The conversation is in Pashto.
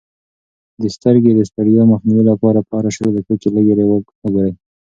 د سترګو د ستړیا مخنیوي لپاره په هرو شلو دقیقو کې لیرې وګورئ.